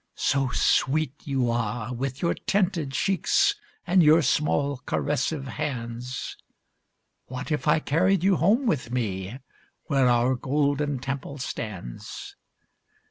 So sweet you are, with your tinted cheeks and your small caressive hands, What if I carried you home with me, where our Golden Temple stands?